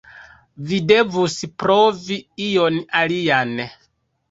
Vi devus provi ion alian.